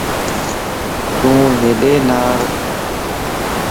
تون ھيڏي نار